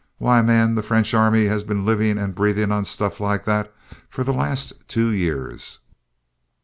Why, man, the French army has been living and breathing on stuff like that for the last two years."